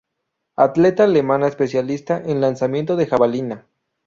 Atleta alemana especialista en lanzamiento de jabalina.